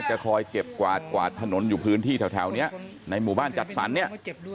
จะคอยเก็บกวาดกวาดถนนอยู่พื้นที่แถวนี้ในหมู่บ้านจัดสรรเนี่ย